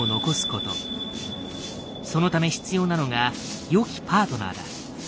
そのため必要なのがよきパートナーだ。